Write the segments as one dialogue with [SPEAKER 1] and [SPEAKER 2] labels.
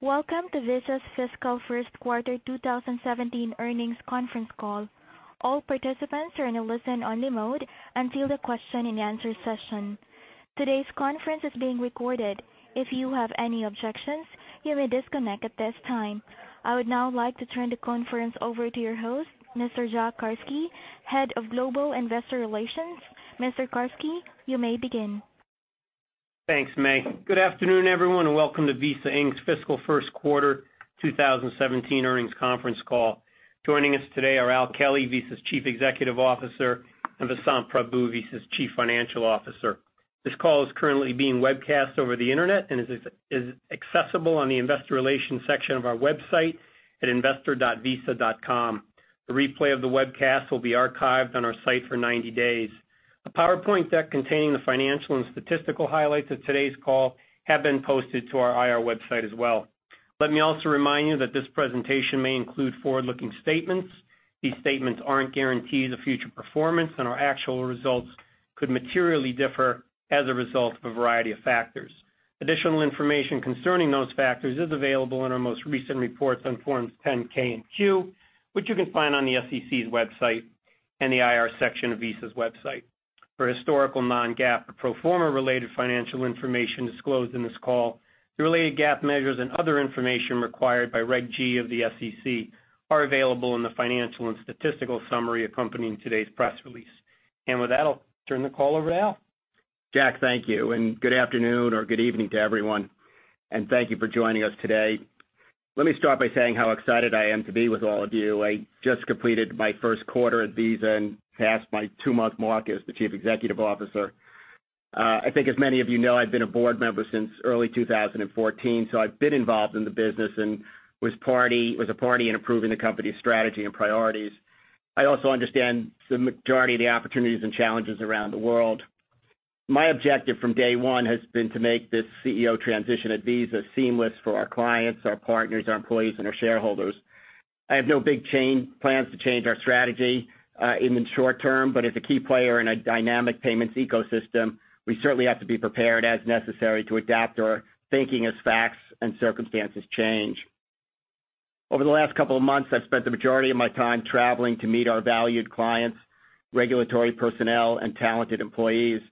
[SPEAKER 1] Welcome to Visa's fiscal first quarter 2017 earnings conference call. All participants are in a listen-only mode until the question and answer session. Today's conference is being recorded. If you have any objections, you may disconnect at this time. I would now like to turn the conference over to your host, Mr. Jack Carsky, Head of Global Investor Relations. Mr. Carsky, you may begin.
[SPEAKER 2] Thanks, Mei. Good afternoon, everyone, welcome to Visa Inc.'s fiscal first quarter 2017 earnings conference call. Joining us today are Al Kelly, Visa's Chief Executive Officer, and Vasant Prabhu, Visa's Chief Financial Officer. This call is currently being webcast over the internet and is accessible on the Investor Relations section of our website at investor.visa.com. The replay of the webcast will be archived on our site for 90 days. A PowerPoint deck containing the financial and statistical highlights of today's call have been posted to our IR website as well. Let me also remind you that this presentation may include forward-looking statements. These statements aren't guarantees of future performance, and our actual results could materially differ as a result of a variety of factors. Additional information concerning those factors is available in our most recent reports on forms 10-K and Q, which you can find on the SEC's website and the IR section of Visa's website. For historical non-GAAP or pro forma related financial information disclosed in this call, the related GAAP measures and other information required by Reg G of the SEC are available in the financial and statistical summary accompanying today's press release. With that, I'll turn the call over to Al.
[SPEAKER 3] Jack, thank you, and good afternoon or good evening to everyone, and thank you for joining us today. Let me start by saying how excited I am to be with all of you. I just completed my first quarter at Visa and passed my two-month mark as the Chief Executive Officer. I think as many of you know, I've been a board member since early 2014, so I've been involved in the business and was a party in approving the company's strategy and priorities. I also understand the majority of the opportunities and challenges around the world. My objective from day one has been to make this CEO transition at Visa seamless for our clients, our partners, our employees, and our shareholders. I have no big plans to change our strategy in the short term, but as a key player in a dynamic payments ecosystem, we certainly have to be prepared as necessary to adapt our thinking as facts and circumstances change. Over the last couple of months, I've spent the majority of my time traveling to meet our valued clients, regulatory personnel, and talented employees.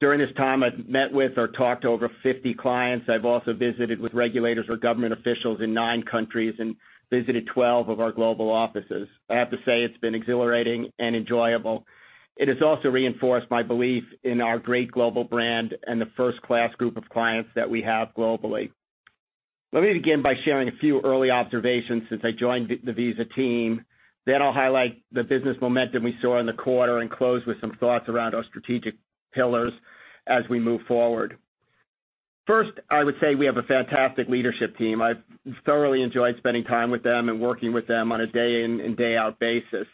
[SPEAKER 3] During this time, I've met with or talked to over 50 clients. I've also visited with regulators or government officials in nine countries and visited 12 of our global offices. I have to say, it's been exhilarating and enjoyable. It has also reinforced my belief in our great global brand and the first-class group of clients that we have globally. Let me begin by sharing a few early observations since I joined the Visa team. I'll highlight the business momentum we saw in the quarter and close with some thoughts around our strategic pillars as we move forward. First, I would say we have a fantastic leadership team. I've thoroughly enjoyed spending time with them and working with them on a day in and day out basis.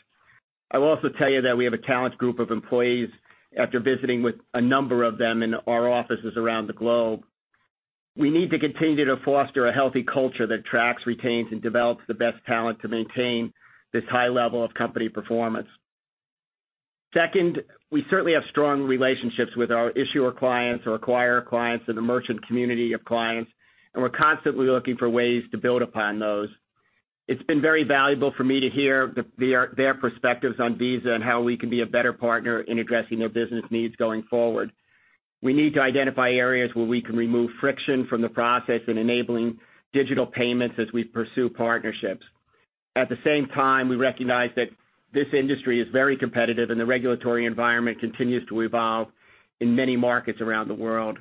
[SPEAKER 3] I will also tell you that we have a talented group of employees after visiting with a number of them in our offices around the globe. We need to continue to foster a healthy culture that attracts, retains, and develops the best talent to maintain this high level of company performance. Second, we certainly have strong relationships with our issuer clients, our acquirer clients, and the merchant community of clients. We're constantly looking for ways to build upon those. It's been very valuable for me to hear their perspectives on Visa and how we can be a better partner in addressing their business needs going forward. We need to identify areas where we can remove friction from the process in enabling digital payments as we pursue partnerships. At the same time, we recognize that this industry is very competitive and the regulatory environment continues to evolve in many markets around the world.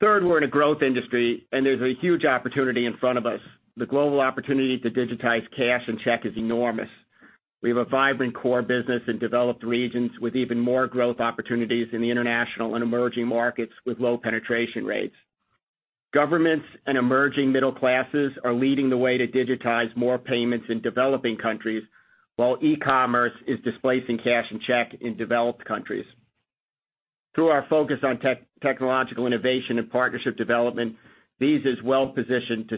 [SPEAKER 3] Third, we're in a growth industry. There's a huge opportunity in front of us. The global opportunity to digitize cash and check is enormous. We have a vibrant core business in developed regions with even more growth opportunities in the international and emerging markets with low penetration rates. Governments and emerging middle classes are leading the way to digitize more payments in developing countries, while e-commerce is displacing cash and check in developed countries. Through our focus on technological innovation and partnership development, Visa is well positioned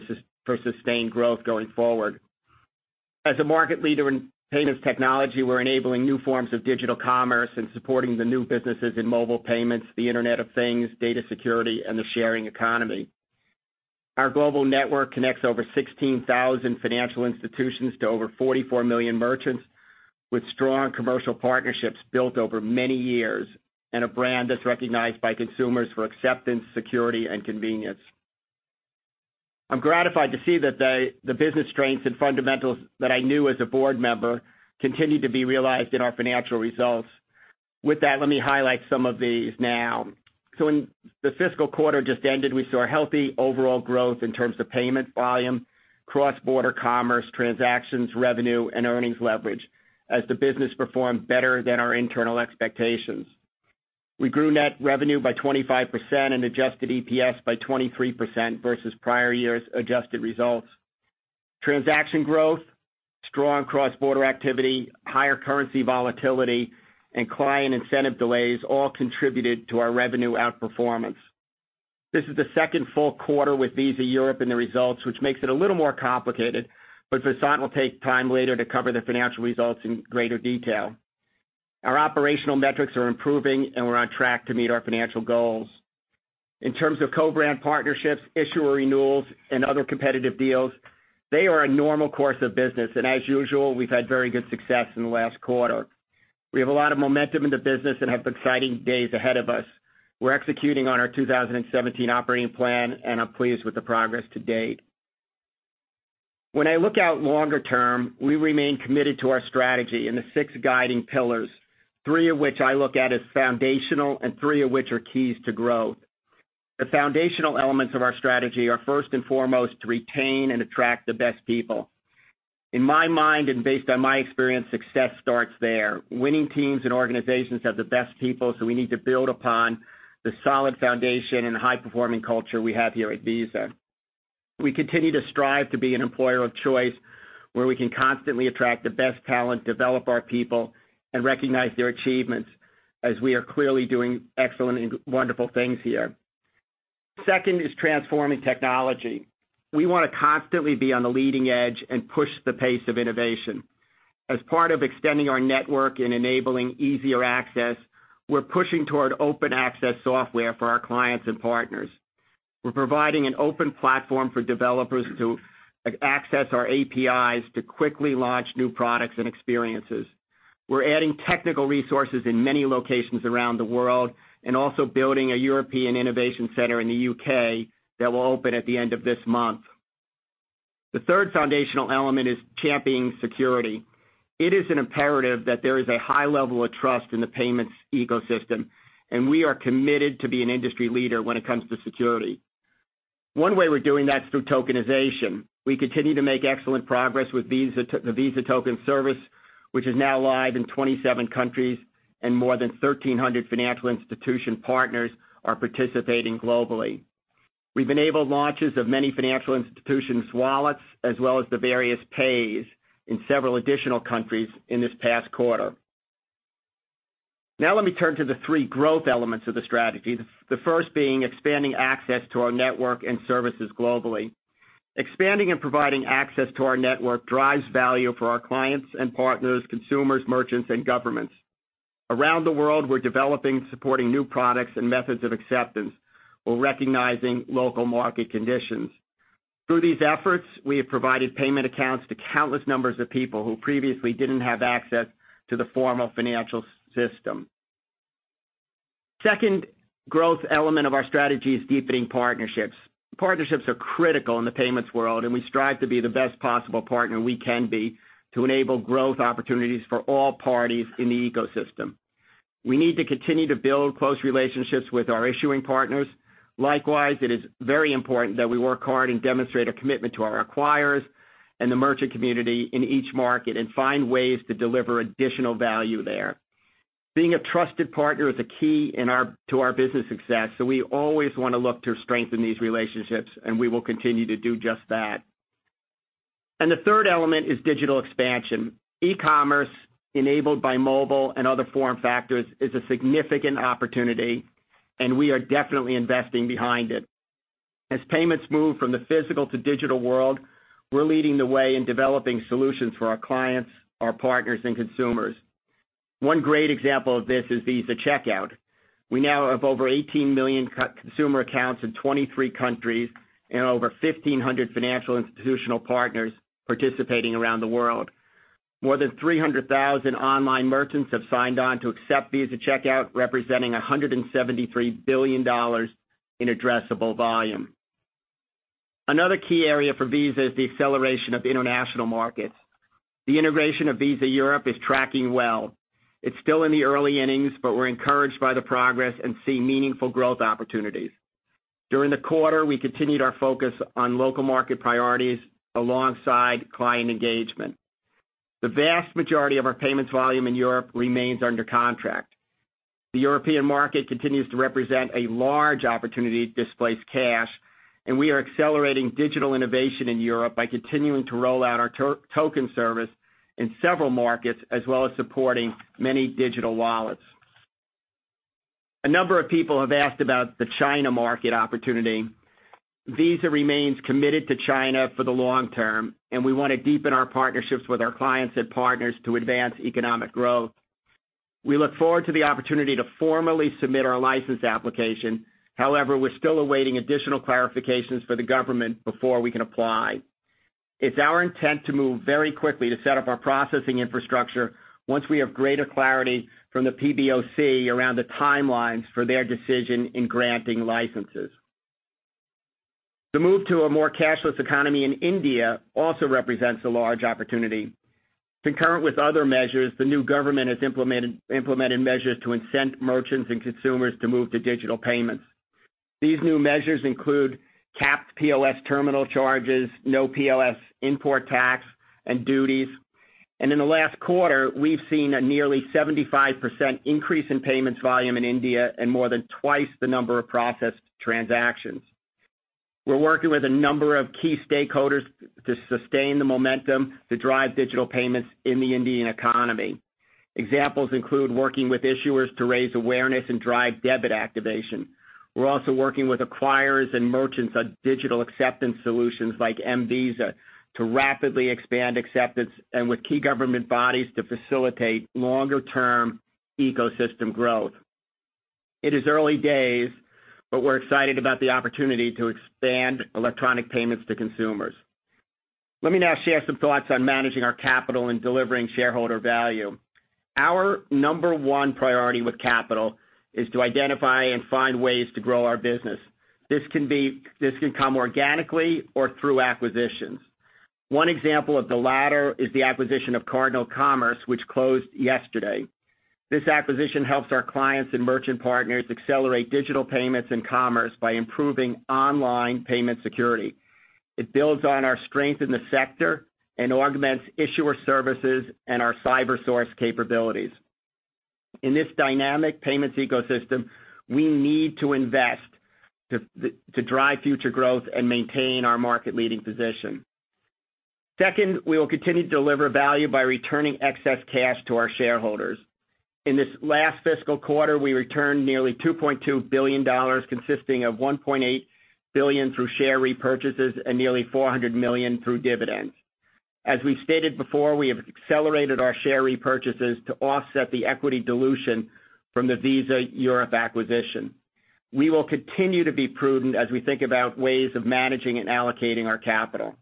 [SPEAKER 3] for sustained growth going forward. As a market leader in payments technology, we're enabling new forms of digital commerce and supporting the new businesses in mobile payments, the Internet of Things, data security, and the sharing economy. Our global network connects over 16,000 financial institutions to over 44 million merchants with strong commercial partnerships built over many years. A brand that's recognized by consumers for acceptance, security, and convenience. I'm gratified to see that the business strengths and fundamentals that I knew as a board member continue to be realized in our financial results. With that, let me highlight some of these now. In the fiscal quarter just ended, we saw healthy overall growth in terms of payment volume, cross-border commerce, transactions, revenue, and earnings leverage as the business performed better than our internal expectations. We grew net revenue by 25% and adjusted EPS by 23% versus prior year's adjusted results. Transaction growth, strong cross-border activity, higher currency volatility, and client incentive delays all contributed to our revenue outperformance. This is the second full quarter with Visa Europe in the results, which makes it a little more complicated, but Vasant will take time later to cover the financial results in greater detail. Our operational metrics are improving, and we're on track to meet our financial goals. In terms of co-brand partnerships, issuer renewals, and other competitive deals, they are a normal course of business, and as usual, we've had very good success in the last quarter. We have a lot of momentum in the business and have exciting days ahead of us. We're executing on our 2017 operating plan, and I'm pleased with the progress to date. When I look out longer term, we remain committed to our strategy and the six guiding pillars, three of which I look at as foundational and three of which are keys to growth. The foundational elements of our strategy are first and foremost to retain and attract the best people. In my mind, and based on my experience, success starts there. Winning teams and organizations have the best people, so we need to build upon the solid foundation and high-performing culture we have here at Visa. We continue to strive to be an employer of choice where we can constantly attract the best talent, develop our people, and recognize their achievements, as we are clearly doing excellent and wonderful things here. Second is transforming technology. We want to constantly be on the leading edge and push the pace of innovation. As part of extending our network and enabling easier access, we're pushing toward open access software for our clients and partners. We're providing an open platform for developers to access our APIs to quickly launch new products and experiences. We're adding technical resources in many locations around the world and also building a European innovation center in the U.K. that will open at the end of this month. The third foundational element is championing security. It is an imperative that there is a high level of trust in the payments ecosystem, and we are committed to be an industry leader when it comes to security. One way we're doing that is through tokenization. We continue to make excellent progress with the Visa Token Service, which is now live in 27 countries, and more than 1,300 financial institution partners are participating globally. Let me turn to the three growth elements of the strategy, the first being expanding access to our network and services globally. Expanding and providing access to our network drives value for our clients and partners, consumers, merchants, and governments. Around the world, we're developing and supporting new products and methods of acceptance while recognizing local market conditions. Through these efforts, we have provided payment accounts to countless numbers of people who previously didn't have access to the formal financial system. Second growth element of our strategy is deepening partnerships. Partnerships are critical in the payments world, and we strive to be the best possible partner we can be to enable growth opportunities for all parties in the ecosystem. We need to continue to build close relationships with our issuing partners. Likewise, it is very important that we work hard and demonstrate a commitment to our acquirers and the merchant community in each market and find ways to deliver additional value there. Being a trusted partner is a key to our business success, so we always want to look to strengthen these relationships, and we will continue to do just that. The third element is digital expansion. E-commerce enabled by mobile and other form factors is a significant opportunity, and we are definitely investing behind it. As payments move from the physical to digital world, we are leading the way in developing solutions for our clients, our partners, and consumers. One great example of this is Visa Checkout. We now have over 18 million consumer accounts in 23 countries and over 1,500 financial institutional partners participating around the world. More than 300,000 online merchants have signed on to accept Visa Checkout, representing $173 billion in addressable volume. Another key area for Visa is the acceleration of international markets. The integration of Visa Europe is tracking well. It is still in the early innings, but we are encouraged by the progress and see meaningful growth opportunities. During the quarter, we continued our focus on local market priorities alongside client engagement. The vast majority of our payments volume in Europe remains under contract. The European market continues to represent a large opportunity to displace cash, and we are accelerating digital innovation in Europe by continuing to roll out our Visa Token Service in several markets, as well as supporting many digital wallets. A number of people have asked about the China market opportunity. Visa remains committed to China for the long term. We want to deepen our partnerships with our clients and partners to advance economic growth. We look forward to the opportunity to formally submit our license application. However, we are still awaiting additional clarifications for the government before we can apply. It is our intent to move very quickly to set up our processing infrastructure once we have greater clarity from the PBOC around the timelines for their decision in granting licenses. The move to a more cashless economy in India also represents a large opportunity. Concurrent with other measures, the new government has implemented measures to incent merchants and consumers to move to digital payments. These new measures include capped POS terminal charges, no POS import tax and duties. In the last quarter, we have seen a nearly 75% increase in payments volume in India and more than twice the number of processed transactions. We are working with a number of key stakeholders to sustain the momentum to drive digital payments in the Indian economy. Examples include working with issuers to raise awareness and drive debit activation. We are also working with acquirers and merchants on digital acceptance solutions like mVisa to rapidly expand acceptance and with key government bodies to facilitate longer-term ecosystem growth. It is early days, but we are excited about the opportunity to expand electronic payments to consumers. Let me now share some thoughts on managing our capital and delivering shareholder value. Our number one priority with capital is to identify and find ways to grow our business. This can come organically or through acquisitions. One example of the latter is the acquisition of CardinalCommerce, which closed yesterday. This acquisition helps our clients and merchant partners accelerate digital payments and commerce by improving online payment security. It builds on our strength in the sector and augments issuer services and our CyberSource capabilities. In this dynamic payments ecosystem, we need to invest to drive future growth and maintain our market-leading position. Second, we will continue to deliver value by returning excess cash to our shareholders. In this last fiscal quarter, we returned nearly $2.2 billion, consisting of $1.8 billion through share repurchases and nearly $400 million through dividends. As we've stated before, we have accelerated our share repurchases to offset the equity dilution from the Visa Europe acquisition. We will continue to be prudent as we think about ways of managing and allocating our capital.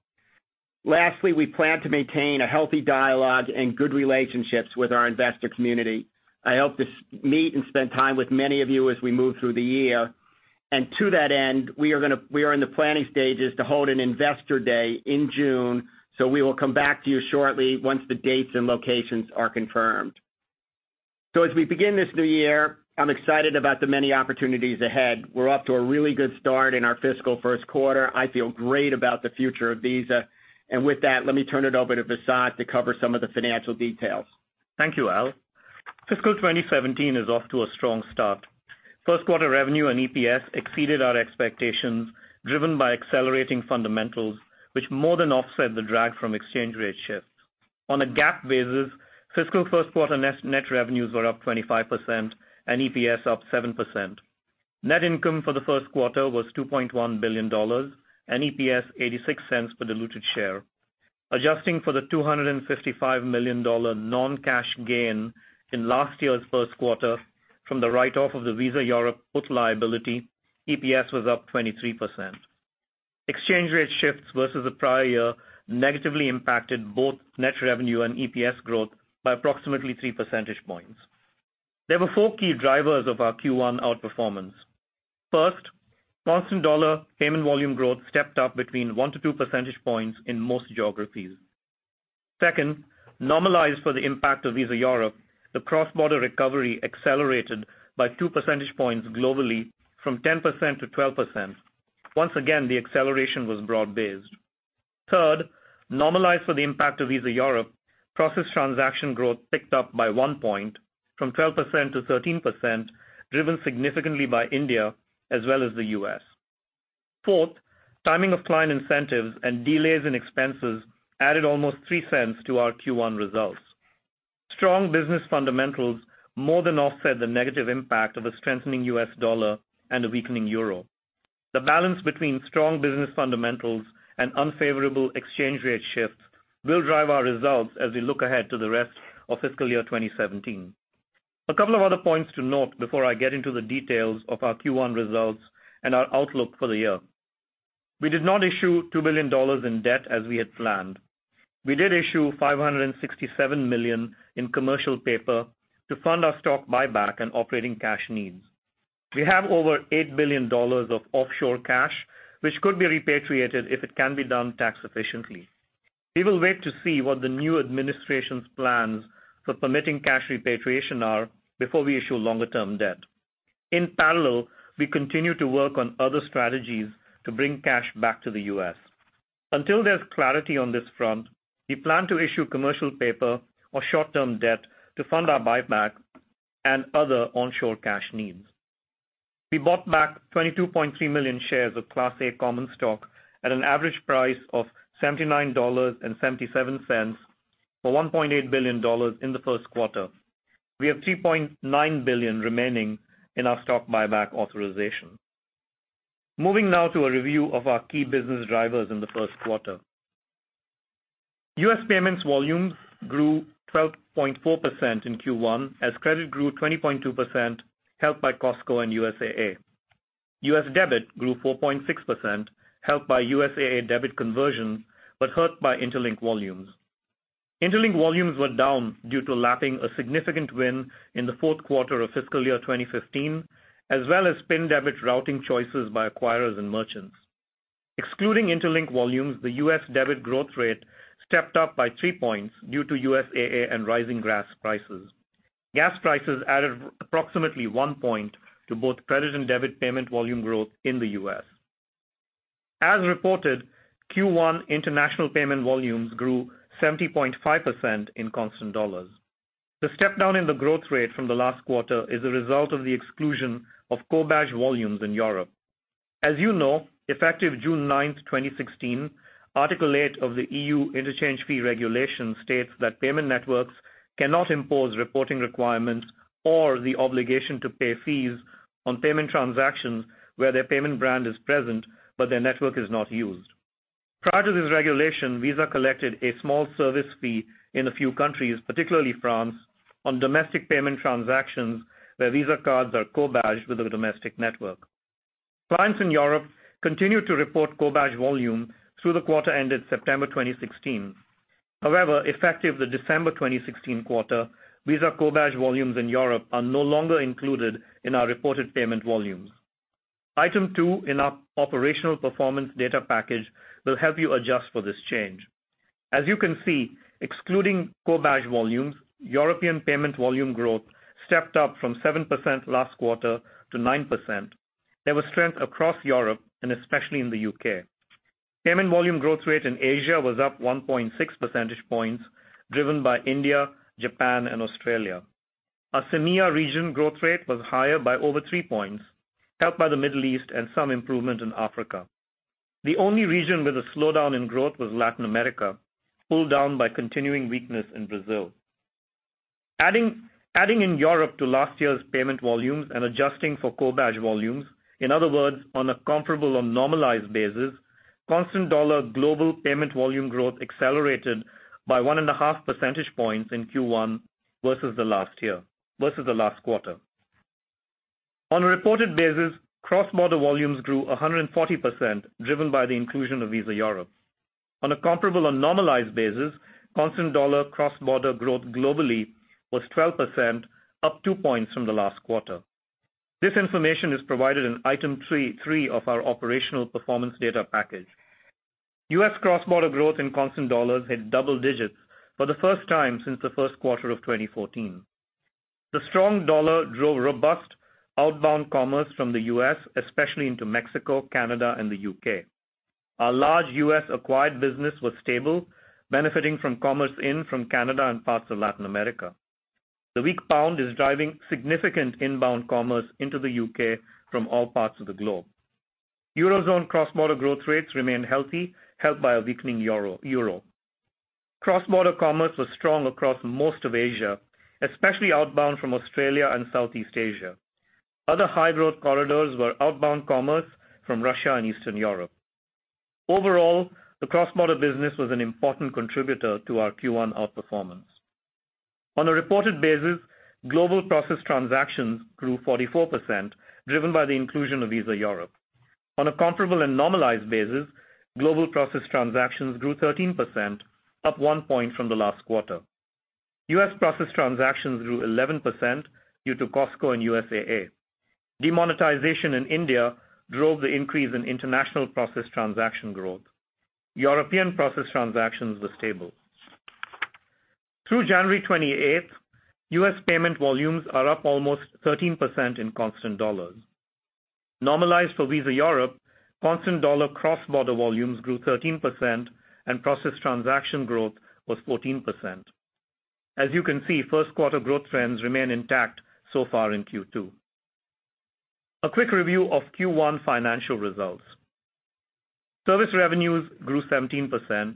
[SPEAKER 3] Lastly, we plan to maintain a healthy dialogue and good relationships with our investor community. I hope to meet and spend time with many of you as we move through the year. To that end, we are in the planning stages to hold an investor day in June, we will come back to you shortly once the dates and locations are confirmed. As we begin this new year, I'm excited about the many opportunities ahead. We're off to a really good start in our fiscal first quarter. I feel great about the future of Visa. With that, let me turn it over to Vasant to cover some of the financial details.
[SPEAKER 4] Thank you, Al. Fiscal 2017 is off to a strong start. First quarter revenue and EPS exceeded our expectations, driven by accelerating fundamentals, which more than offset the drag from exchange rate shifts. On a GAAP basis, fiscal first quarter net revenues were up 25% and EPS up 7%. Net income for the first quarter was $2.1 billion and EPS $0.86 per diluted share. Adjusting for the $255 million non-cash gain in last year's first quarter from the write-off of the Visa Europe put liability, EPS was up 23%. Exchange rate shifts versus the prior year negatively impacted both net revenue and EPS growth by approximately three percentage points. There were four key drivers of our Q1 outperformance. First, constant dollar payment volume growth stepped up between one to two percentage points in most geographies. Second, normalized for the impact of Visa Europe, the cross-border recovery accelerated by two percentage points globally from 10%-12%. Once again, the acceleration was broad-based. Third, normalized for the impact of Visa Europe, processed transaction growth ticked up by one point from 12%-13%, driven significantly by India as well as the U.S. Fourth, timing of client incentives and delays in expenses added almost $0.03 to our Q1 results. Strong business fundamentals more than offset the negative impact of a strengthening U.S. dollar and a weakening euro. The balance between strong business fundamentals and unfavorable exchange rate shifts will drive our results as we look ahead to the rest of fiscal year 2017. A couple of other points to note before I get into the details of our Q1 results and our outlook for the year. We did not issue $2 billion in debt as we had planned. We did issue $567 million in commercial paper to fund our stock buyback and operating cash needs. We have over $8 billion of offshore cash, which could be repatriated if it can be done tax efficiently. We will wait to see what the new administration's plans for permitting cash repatriation are before we issue longer-term debt. In parallel, we continue to work on other strategies to bring cash back to the U.S. Until there's clarity on this front, we plan to issue commercial paper or short-term debt to fund our buyback and other onshore cash needs. We bought back $22.3 million shares of Class A common stock at an average price of $79.77 for $1.8 billion in the first quarter. We have $3.9 billion remaining in our stock buyback authorization. Moving now to a review of our key business drivers in the first quarter. U.S. payments volumes grew 12.4% in Q1 as credit grew 20.2%, helped by Costco and USAA. U.S. debit grew 4.6%, helped by USAA debit conversion, but hurt by Interlink volumes. Interlink volumes were down due to lapping a significant win in the fourth quarter of fiscal year 2015, as well as PIN debit routing choices by acquirers and merchants. Excluding Interlink volumes, the U.S. debit growth rate stepped up by three points due to USAA and rising gas prices. Gas prices added approximately one point to both credit and debit payment volume growth in the U.S. As reported, Q1 international payment volumes grew 70.5% in constant dollars. The step down in the growth rate from the last quarter is a result of the exclusion of co-badge volumes in Europe. As you know, effective June 9th, 2016, Article 8 of the EU Interchange Fee Regulation states that payment networks cannot impose reporting requirements or the obligation to pay fees on payment transactions where their payment brand is present, but their network is not used. Prior to this regulation, Visa collected a small service fee in a few countries, particularly France, on domestic payment transactions where Visa cards are co-badged with a domestic network. Clients in Europe continued to report co-badge volume through the quarter ended September 2016. However, effective the December 2016 quarter, Visa co-badge volumes in Europe are no longer included in our reported payment volumes. Item two in our operational performance data package will help you adjust for this change. As you can see, excluding co-badge volumes, European payment volume growth stepped up from 7% last quarter to 9%. There was strength across Europe and especially in the U.K. Payment volume growth rate in Asia was up 1.6 percentage points, driven by India, Japan, and Australia. Our CEMEA region growth rate was higher by over three points, helped by the Middle East and some improvement in Africa. The only region with a slowdown in growth was Latin America, pulled down by continuing weakness in Brazil. Adding in Europe to last year's payment volumes and adjusting for co-badge volumes, in other words, on a comparable or normalized basis, constant dollar global payment volume growth accelerated by 1.5 percentage points in Q1 versus the last quarter. On a reported basis, cross-border volumes grew 140%, driven by the inclusion of Visa Europe. On a comparable or normalized basis, constant dollar cross-border growth globally was 12%, up two points from the last quarter. This information is provided in item 3.3 of our operational performance data package. U.S. cross-border growth in constant dollars hit double digits for the first time since the first quarter of 2014. The strong dollar drove robust outbound commerce from the U.S., especially into Mexico, Canada, and the U.K. Our large U.S. acquired business was stable, benefiting from commerce in from Canada and parts of Latin America. The weak pound is driving significant inbound commerce into the U.K. from all parts of the globe. Eurozone cross-border growth rates remained healthy, helped by a weakening euro. Cross-border commerce was strong across most of Asia, especially outbound from Australia and Southeast Asia. Other high-growth corridors were outbound commerce from Russia and Eastern Europe. Overall, the cross-border business was an important contributor to our Q1 outperformance. On a reported basis, global processed transactions grew 44%, driven by the inclusion of Visa Europe. On a comparable and normalized basis, global processed transactions grew 13%, up one point from the last quarter. U.S. processed transactions grew 11% due to Costco and USAA. Demonetization in India drove the increase in international processed transaction growth. European processed transactions were stable. Through January 28th, U.S. payment volumes are up almost 13% in constant dollars. Normalized for Visa Europe, constant dollar cross-border volumes grew 13% and processed transaction growth was 14%. As you can see, first quarter growth trends remain intact so far in Q2. A quick review of Q1 financial results. Service revenues grew 17%.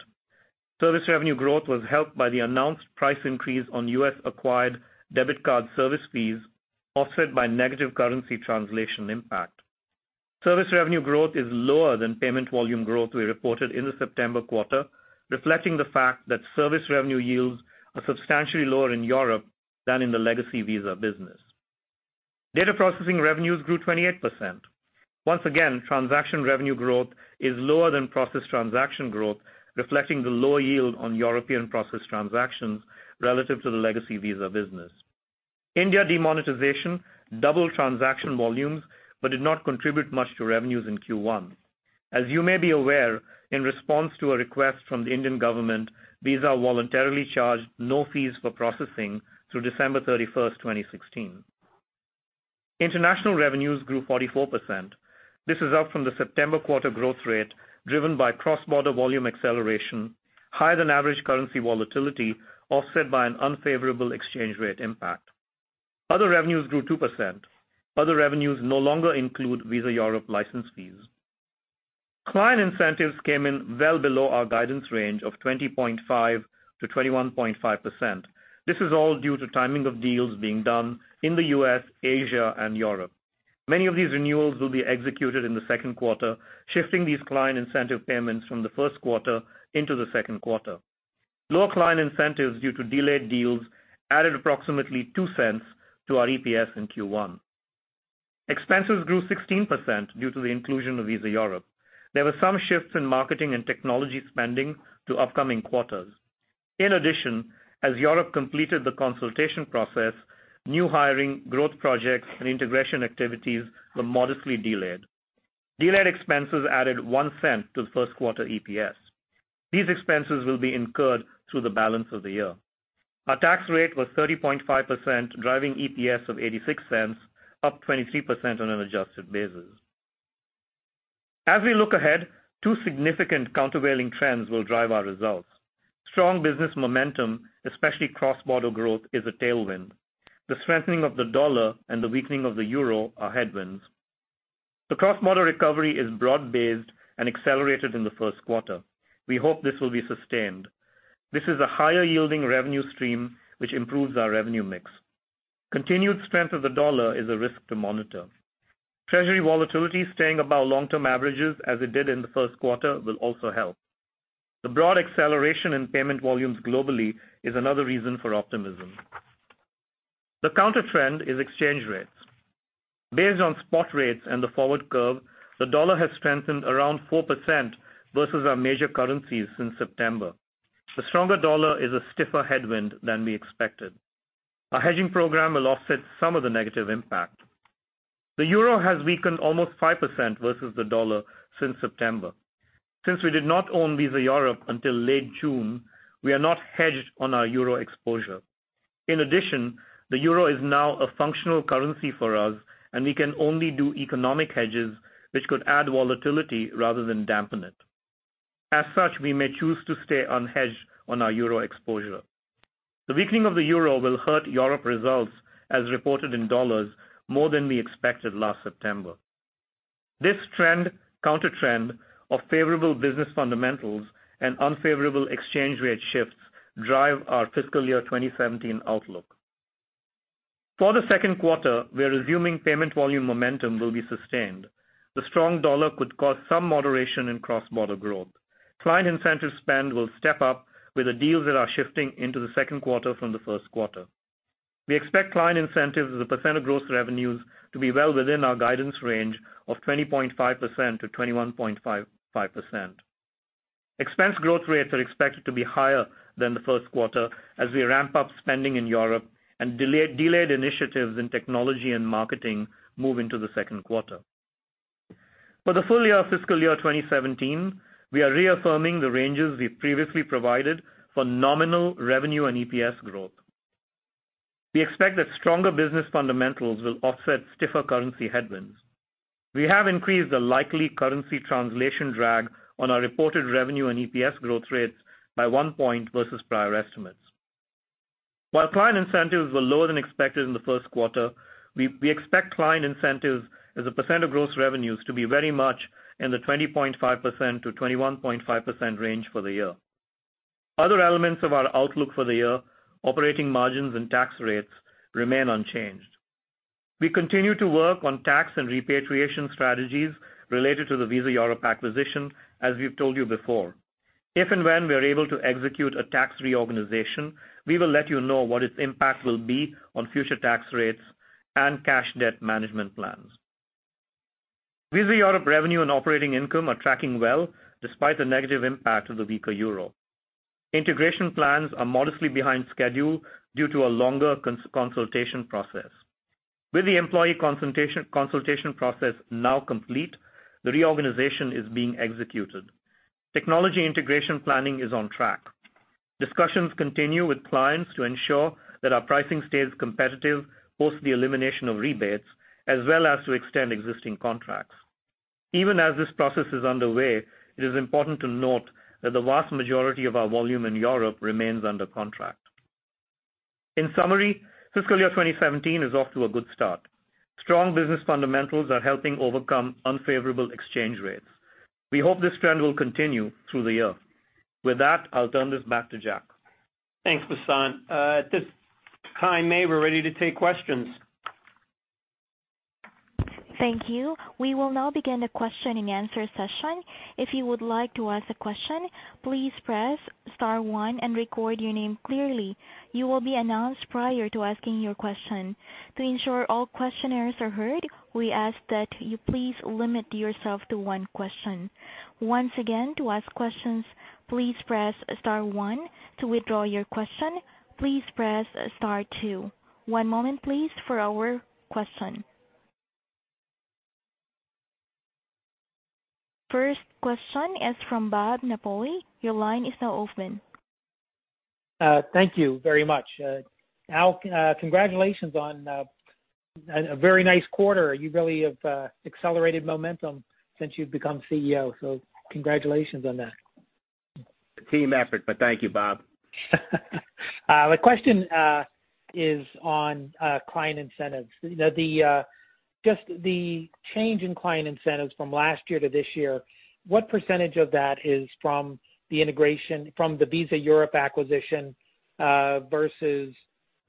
[SPEAKER 4] Service revenue growth was helped by the announced price increase on U.S. acquired debit card service fees, offset by negative currency translation impact. Service revenue growth is lower than payment volume growth we reported in the September quarter, reflecting the fact that service revenue yields are substantially lower in Europe than in the legacy Visa business. Data processing revenues grew 28%. Once again, transaction revenue growth is lower than processed transaction growth, reflecting the lower yield on European processed transactions relative to the legacy Visa business. India demonetization doubled transaction volumes but did not contribute much to revenues in Q1. As you may be aware, in response to a request from the Indian government, Visa voluntarily charged no fees for processing through December 31st, 2016. International revenues grew 44%. This is up from the September quarter growth rate, driven by cross-border volume acceleration, higher-than-average currency volatility, offset by an unfavorable exchange rate impact. Other revenues grew 2%. Other revenues no longer include Visa Europe license fees. Client incentives came in well below our guidance range of 20.5%-21.5%. This is all due to timing of deals being done in the U.S., Asia, and Europe. Many of these renewals will be executed in the second quarter, shifting these client incentive payments from the first quarter into the second quarter. Lower client incentives due to delayed deals added approximately $0.02 to our EPS in Q1. Expenses grew 16% due to the inclusion of Visa Europe. There were some shifts in marketing and technology spending to upcoming quarters. In addition, as Europe completed the consultation process, new hiring, growth projects, and integration activities were modestly delayed. Delayed expenses added $0.01 to the first quarter EPS. These expenses will be incurred through the balance of the year. Our tax rate was 30.5%, driving EPS of $0.86, up 23% on an adjusted basis. As we look ahead, two significant countervailing trends will drive our results. Strong business momentum, especially cross-border growth, is a tailwind. The strengthening of the dollar and the weakening of the euro are headwinds. The cross-border recovery is broad-based and accelerated in the first quarter. We hope this will be sustained. This is a higher-yielding revenue stream, which improves our revenue mix. Continued strength of the dollar is a risk to monitor. Treasury volatility staying above long-term averages as it did in the first quarter will also help. The broad acceleration in payment volumes globally is another reason for optimism. The countertrend is exchange rates. Based on spot rates and the forward curve, the dollar has strengthened around 4% versus our major currencies since September. The stronger dollar is a stiffer headwind than we expected. Our hedging program will offset some of the negative impact. The euro has weakened almost 5% versus the dollar since September. Since we did not own Visa Europe until late June, we are not hedged on our euro exposure. In addition, the euro is now a functional currency for us, and we can only do economic hedges, which could add volatility rather than dampen it. As such, we may choose to stay unhedged on our euro exposure. The weakening of the euro will hurt Europe results as reported in dollars more than we expected last September. This trend, countertrend of favorable business fundamentals and unfavorable exchange rate shifts drive our FY 2017 outlook. For the second quarter, we are assuming payment volume momentum will be sustained. The strong dollar could cause some moderation in cross-border growth. Client incentive spend will step up with the deals that are shifting into the second quarter from the first quarter. We expect client incentives as a percent of gross revenues to be well within our guidance range of 20.5%-21.5%. Expense growth rates are expected to be higher than the first quarter as we ramp up spending in Europe and delayed initiatives in technology and marketing move into the second quarter. For the full year of FY 2017, we are reaffirming the ranges we previously provided for nominal revenue and EPS growth. We expect that stronger business fundamentals will offset stiffer currency headwinds. We have increased the likely currency translation drag on our reported revenue and EPS growth rates by one point versus prior estimates. While client incentives were lower than expected in the first quarter, we expect client incentives as a percent of gross revenues to be very much in the 20.5%-21.5% range for the year. Other elements of our outlook for the year, operating margins and tax rates remain unchanged. We continue to work on tax and repatriation strategies related to the Visa Europe acquisition, as we have told you before. If and when we are able to execute a tax reorganization, we will let you know what its impact will be on future tax rates and cash debt management plans. Visa Europe revenue and operating income are tracking well despite the negative impact of the weaker euro. Integration plans are modestly behind schedule due to a longer consultation process. With the employee consultation process now complete, the reorganization is being executed. Technology integration planning is on track. Discussions continue with clients to ensure that our pricing stays competitive post the elimination of rebates, as well as to extend existing contracts. Even as this process is underway, it is important to note that the vast majority of our volume in Europe remains under contract. In summary, fiscal year 2017 is off to a good start. Strong business fundamentals are helping overcome unfavorable exchange rates. We hope this trend will continue through the year. With that, I'll turn this back to Jack.
[SPEAKER 2] Thanks, Vasant. At this time, Mae, we're ready to take questions.
[SPEAKER 1] Thank you. We will now begin the question and answer session. If you would like to ask a question, please press star one and record your name clearly. You will be announced prior to asking your question. To ensure all questioners are heard, we ask that you please limit yourself to one question. Once again, to ask questions, please press star one. To withdraw your question, please press star two. One moment, please, for our question. First question is from Bob Napoli. Your line is now open.
[SPEAKER 5] Thank you very much. Al, congratulations on a very nice quarter. You really have accelerated momentum since you've become CEO. Congratulations on that.
[SPEAKER 3] Team effort, thank you, Bob.
[SPEAKER 5] My question is on client incentives. Just the change in client incentives from last year to this year, what % of that is from the integration from the Visa Europe acquisition versus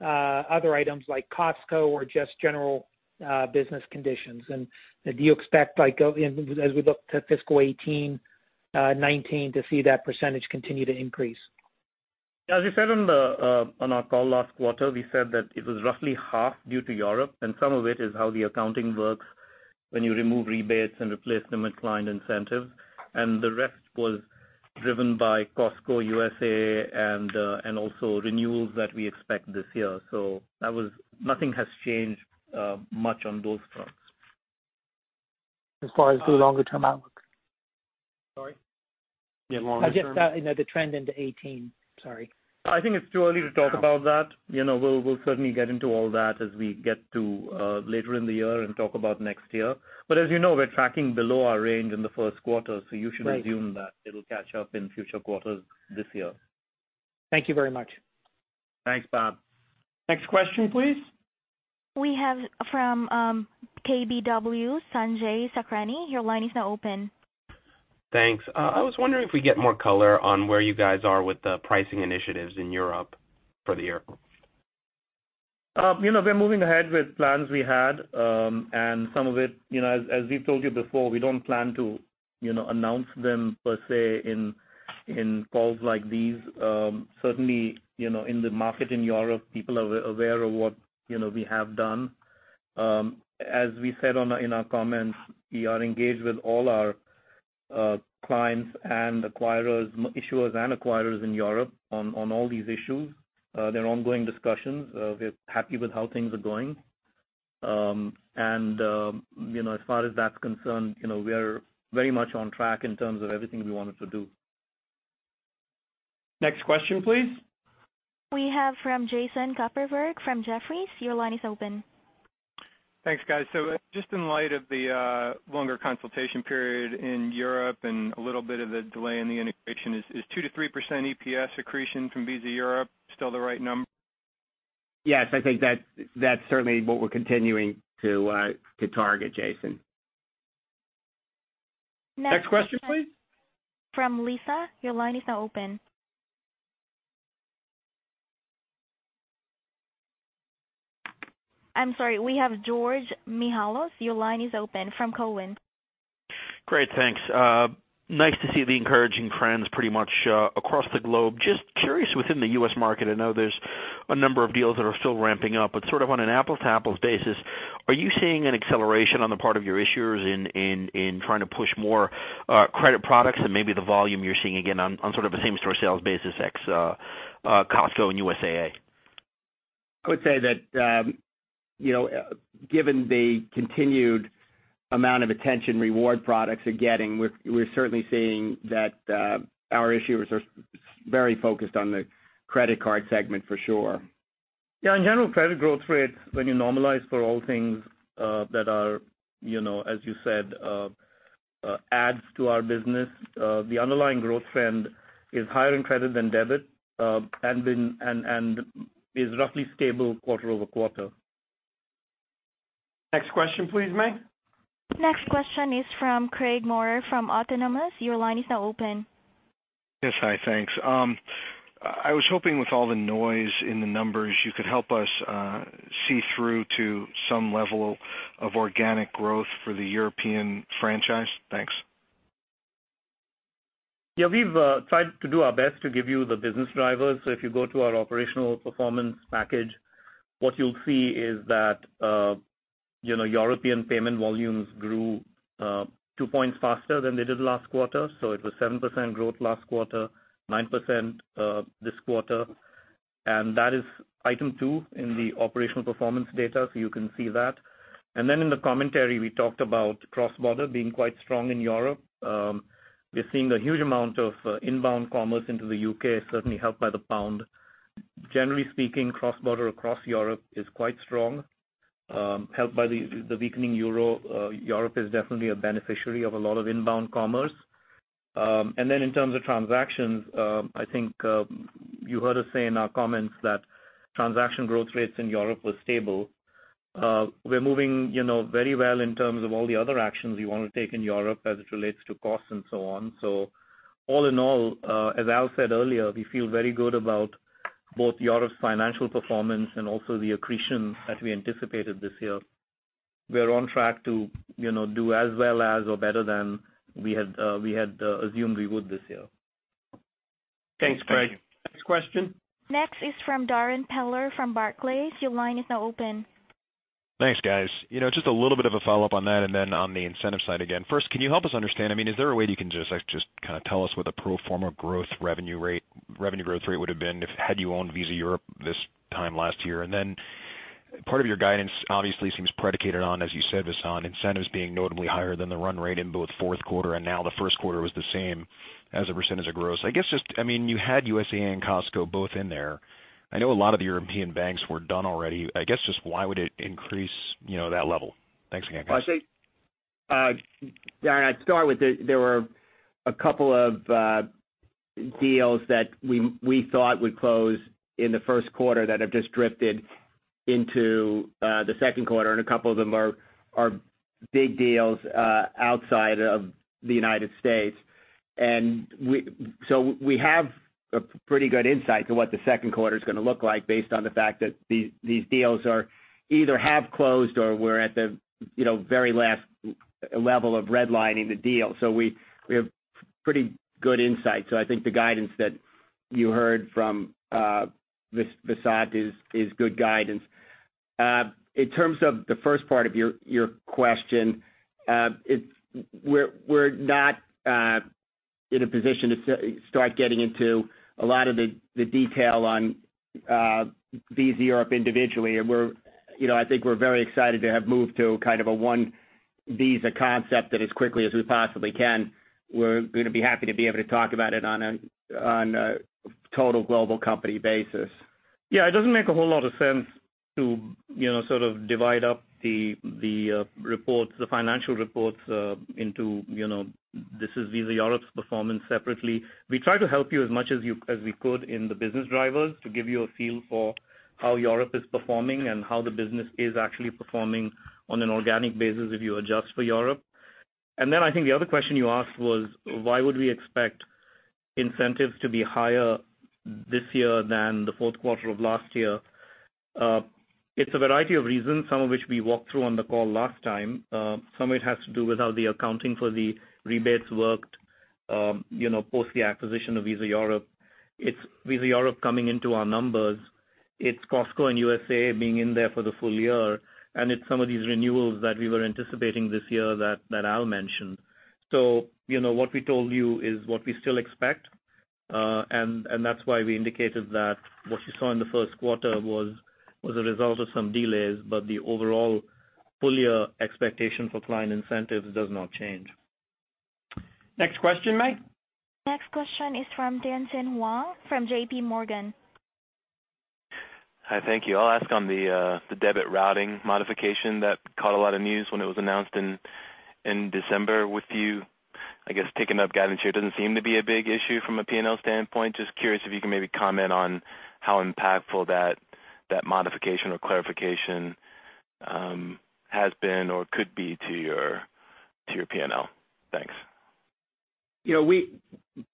[SPEAKER 5] other items like Costco or just general business conditions? Do you expect as we look to fiscal 2018, 2019 to see that % continue to increase?
[SPEAKER 4] As we said on our call last quarter, we said that it was roughly half due to Europe, some of it is how the accounting works when you remove rebates and replace them with client incentives. The rest was driven by Costco, USAA and also renewals that we expect this year. Nothing has changed much on those fronts.
[SPEAKER 5] As far as the longer term outlook?
[SPEAKER 4] Sorry? The longer term-
[SPEAKER 5] I just, the trend into 2018. Sorry.
[SPEAKER 4] I think it's too early to talk about that. We'll certainly get into all that as we get to later in the year and talk about next year. As you know, we're tracking below our range in the first quarter, so you should-
[SPEAKER 5] Right
[SPEAKER 4] assume that it'll catch up in future quarters this year.
[SPEAKER 5] Thank you very much.
[SPEAKER 2] Thanks, Bob. Next question, please.
[SPEAKER 1] We have from KBW, Sanjay Sakhrani. Your line is now open.
[SPEAKER 6] Thanks. I was wondering if we get more color on where you guys are with the pricing initiatives in Europe for the year.
[SPEAKER 4] We're moving ahead with plans we had, some of it, as we've told you before, we don't plan to announce them per se in calls like these. Certainly, in the market in Europe, people are aware of what we have done. As we said in our comments, we are engaged with all our clients and issuers and acquirers in Europe on all these issues. They're ongoing discussions. We're happy with how things are going. As far as that's concerned, we are very much on track in terms of everything we wanted to do.
[SPEAKER 3] Next question, please.
[SPEAKER 1] We have from Jason Kupferberg from Jefferies. Your line is open.
[SPEAKER 7] Thanks, guys. Just in light of the longer consultation period in Europe and a little bit of a delay in the integration. Is 2%-3% EPS accretion from Visa Europe still the right number?
[SPEAKER 3] Yes, I think that's certainly what we're continuing to target, Jason.
[SPEAKER 1] Next-
[SPEAKER 3] Next question, please.
[SPEAKER 1] From Lisa. Your line is now open. I'm sorry. We have George Mihalos. Your line is open from Cowen.
[SPEAKER 8] Great, thanks. Nice to see the encouraging trends pretty much across the globe. Just curious within the U.S. market, I know there's a number of deals that are still ramping up, but sort of on an apples-to-apples basis, are you seeing an acceleration on the part of your issuers in trying to push more credit products and maybe the volume you're seeing again on sort of a same-store sales basis ex Costco and USAA?
[SPEAKER 3] I would say that given the continued amount of attention reward products are getting, we're certainly seeing that our issuers are very focused on the credit card segment for sure.
[SPEAKER 4] Yeah, in general, credit growth rates, when you normalize for all things that are, as you said, adds to our business, the underlying growth trend is higher in credit than debit, and is roughly stable quarter-over-quarter.
[SPEAKER 3] Next question please, Meg.
[SPEAKER 1] Next question is from Craig Maurer from Autonomous. Your line is now open.
[SPEAKER 9] Hi, thanks. I was hoping with all the noise in the numbers, you could help us see through to some level of organic growth for the European franchise. Thanks.
[SPEAKER 4] We've tried to do our best to give you the business drivers. If you go to our operational performance package, what you'll see is that European payment volumes grew two points faster than they did last quarter. It was 7% growth last quarter, 9% this quarter. That is item 2 in the operational performance data, so you can see that. In the commentary, we talked about cross-border being quite strong in Europe. We're seeing a huge amount of inbound commerce into the U.K., certainly helped by the pound. Generally speaking, cross-border across Europe is quite strong, helped by the weakening Euro. Europe is definitely a beneficiary of a lot of inbound commerce. In terms of transactions, I think you heard us say in our comments that transaction growth rates in Europe were stable. We're moving very well in terms of all the other actions we want to take in Europe as it relates to costs and so on. All in all, as Al said earlier, we feel very good about both Europe's financial performance and also the accretion that we anticipated this year. We're on track to do as well as or better than we had assumed we would this year.
[SPEAKER 3] Thanks, Craig. Next question.
[SPEAKER 1] Next is from Darrin Peller from Barclays. Your line is now open.
[SPEAKER 10] Thanks, guys. Just a little bit of a follow-up on that, and then on the incentive side again. First, can you help us understand, is there a way you can just kind of tell us what the pro forma growth revenue rate would have been had you owned Visa Europe this time last year? Part of your guidance obviously seems predicated on, as you said, Vasan, incentives being notably higher than the run rate in both fourth quarter and now the first quarter was the same as a percentage of gross. You had USAA and Costco both in there. I know a lot of the European banks were done already. I guess just why would it increase that level? Thanks again, guys.
[SPEAKER 3] Darrin, I'd start with there were a couple of deals that we thought would close in the first quarter that have just drifted into the second quarter, and a couple of them are big deals outside of the United States. We have a pretty good insight to what the second quarter's going to look like based on the fact that these deals either have closed or were at the very last level of redlining the deal. We have pretty good insight. I think the guidance that you heard from Vasan is good guidance. In terms of the first part of your question, we're not in a position to start getting into a lot of the detail on Visa Europe individually. I think we're very excited to have moved to kind of a one Visa concept as quickly as we possibly can. We're going to be happy to be able to talk about it on a total global company basis.
[SPEAKER 4] Yeah, it doesn't make a whole lot of sense to sort of divide up the financial reports into this is Visa Europe's performance separately. We try to help you as much as we could in the business drivers to give you a feel for how Europe is performing and how the business is actually performing on an organic basis if you adjust for Europe. Then I think the other question you asked was why would we expect incentives to be higher this year than the fourth quarter of last year? It's a variety of reasons, some of which we walked through on the call last time. Some of it has to do with how the accounting for the rebates worked, post the acquisition of Visa Europe. It's Visa Europe coming into our numbers. It's Costco and USAA being in there for the full year, and it's some of these renewals that we were anticipating this year that Al mentioned. What we told you is what we still expect. That's why we indicated that what you saw in the first quarter was a result of some delays, the overall full year expectation for client incentives does not change.
[SPEAKER 3] Next question, Mei.
[SPEAKER 1] Next question is from Tien-Tsin Huang from J.P. Morgan.
[SPEAKER 11] Hi, thank you. I'll ask on the debit routing modification that caught a lot of news when it was announced in December with you. I guess taking up guidance here, it doesn't seem to be a big issue from a P&L standpoint. Just curious if you can maybe comment on how impactful that modification or clarification has been or could be to your P&L. Thanks.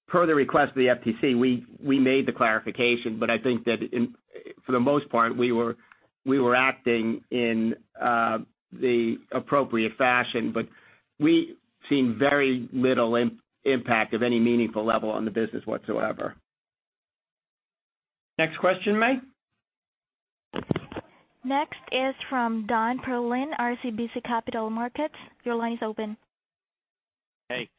[SPEAKER 3] Per the request of the FTC, we made the clarification. I think that for the most part, we were acting in the appropriate fashion. We've seen very little impact of any meaningful level on the business whatsoever. Next question, Mei.
[SPEAKER 1] Next is from Dan Perlin, RBC Capital Markets. Your line is open.
[SPEAKER 12] Hey.